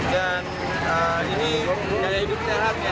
dan ini cara hidupnya harapnya